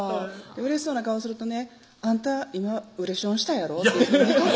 うれしそうな顔するとね「あんた今うれションしたやろ」